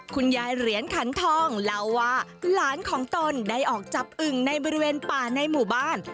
คุณยายเหรียญขันทองเล่าว่าหลานของตนได้ออกจับอึ่งในบริเวณป่าในหมู่บ้าน